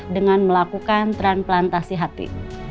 dengan melakukan transplantasi hati